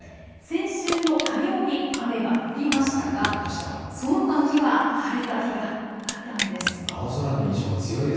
先週の火曜日、雨が降りましたがそのほかの日は晴れた日が多かったんです。